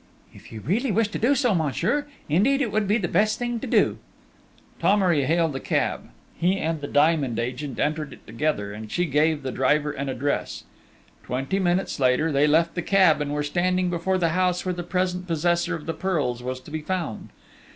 "If you really wish to do so, monsieur! Indeed it would be the best thing to do...." Thomery hailed a cab. He and the diamond agent entered it together, and she gave the driver an address. Twenty minutes later they left the cab and were standing before the house where the present possessor of the pearls was to be found.